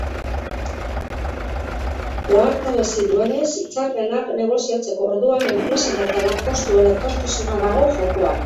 Ohartarazi duenez, hitzarmenak negoziatzeko orduan enpresen eta lanpostuen etorkizuna dago jokoan.